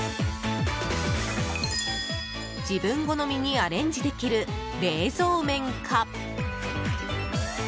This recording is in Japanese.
自分好みにアレンジできる冷蔵麺か。